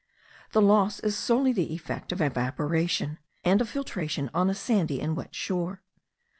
The loss is solely the effect of evaporation, and of filtration on a sandy and wet shore.